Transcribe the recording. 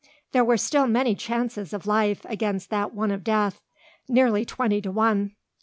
There were still many chances of life against that one of death, nearly twenty to one.